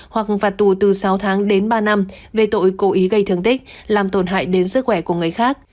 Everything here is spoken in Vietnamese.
hoặc phạt tù từ sáu tháng đến ba năm về tội cố ý gây thương tích làm tổn hại đến sức khỏe của người khác